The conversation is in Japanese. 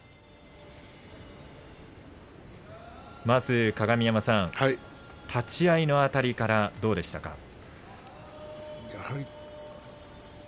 まず鏡山さん立ち合いのあたりからどうでしたか？